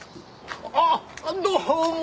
あっどうも。